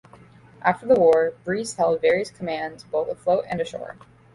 After the war, Breese held various commands both afloat and ashore.